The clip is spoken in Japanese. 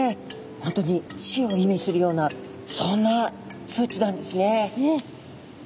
本当に死を意味するようなそんな数値なんですね。